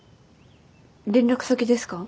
連絡先ですか？